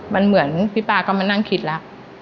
มันเหมือนพี่ป๊าก็มานั่งคิดแล้ว